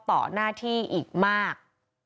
ต่อหน้าที่อีกมาก